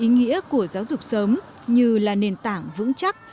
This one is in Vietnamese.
nhiều kế ức của giáo dục sớm như là nền tảng vững chắc